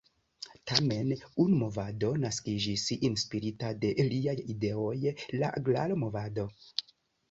Tamen unu movado naskiĝis inspirita de liaj ideoj: la "Gralo-movado".